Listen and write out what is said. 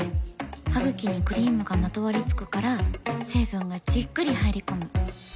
ハグキにクリームがまとわりつくから成分がじっくり入り込む。